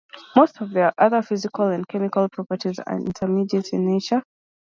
Most of their other physical and chemical properties are intermediate in nature.